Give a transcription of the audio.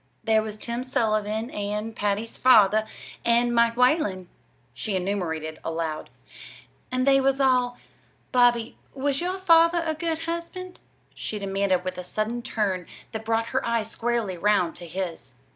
"There was Tim Sullivan and Patty's father and Mike Whalen," she enumerated aloud. "And they was all Bobby, was your father a good husband?" she demanded with a sudden turn that brought her eyes squarely round to his.